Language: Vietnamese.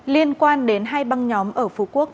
liên quan đến hai băng nhóm ở phú quốc